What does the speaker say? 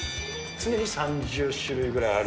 常に３０種類ぐらいある。